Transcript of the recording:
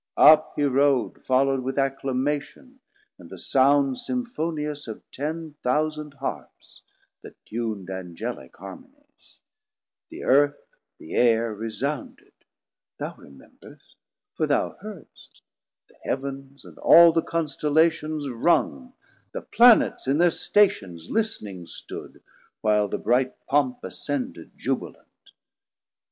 Up he rode Followd with acclamation and the sound Symphonious of ten thousand Harpes that tun'd Angelic harmonies: the Earth, the Aire 560 Resounded, (thou remember'st, for thou heardst) The Heav'ns and all the Constellations rung, The Planets in thir stations list'ning stood, While the bright Pomp ascended jubilant.